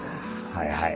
はいはい。